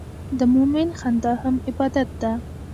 د مؤمن خندا هم عبادت ده.